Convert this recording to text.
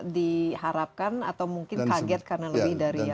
diharapkan atau mungkin kaget karena lebih dari